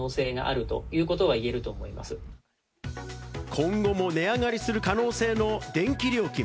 今後も値上がりする可能性の電気料金。